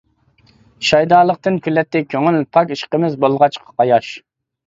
شەيدالىقتىن كۈلەتتى كۆڭۈل، پاك ئىشقىمىز بولغاچقا قاياش.